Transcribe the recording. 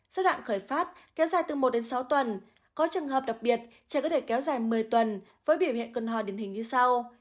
giai đoạn khởi phát kéo dài từ một đến sáu tuần có trường hợp đặc biệt trẻ có thể kéo dài một mươi tuần với biểu hiện cần hò điển hình như sau